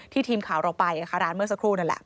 ทีมข่าวเราไปร้านเมื่อสักครู่นั่นแหละ